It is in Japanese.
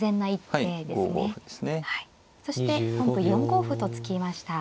はいそして本譜４五歩と突きました。